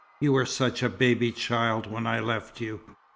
You were such a baby child when I left you!"